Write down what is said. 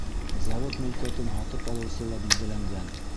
Завод мөлкәтен һатып алыусы ла билдәләнгән.